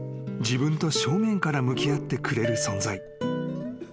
［自分と正面から向き合ってくれる存在］